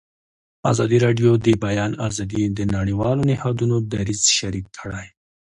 ازادي راډیو د د بیان آزادي د نړیوالو نهادونو دریځ شریک کړی.